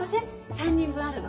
３人分あるの。